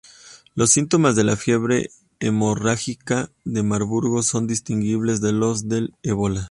Los síntomas de la fiebre hemorrágica de Marburgo son indistinguibles de los del Ébola.